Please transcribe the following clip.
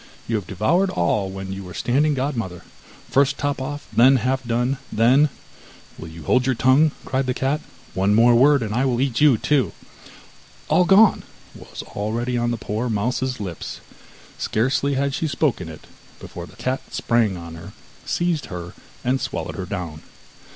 You have devoured all when you were standing godmother. First top off, then half done, then ' 'Will you hold your tongue,' cried the cat, 'one word more, and I will eat you too.' 'All gone' was already on the poor mouse's lips; scarcely had she spoken it before the cat sprang on her, seized her, and swallowed her down.